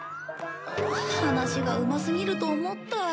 話がうますぎると思った。